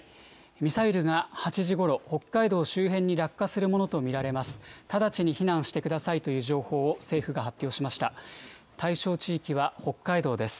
ミサイルが８時ごろ、北海道周辺に落下するものと見られます。